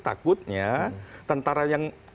takutnya tentara yang